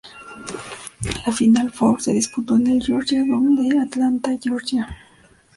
La Final Four se disputó en el Georgia Dome de Atlanta, Georgia.